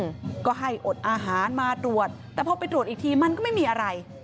ก็ให้อดอาหารมาตรวจแต่พอไปตรวจอีกทีมันก็ไม่มีอะไร